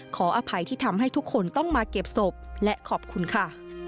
ขออภัยที่ทำให้ทุกคนต้องมาเก็บศพและขอบคุณค่ะ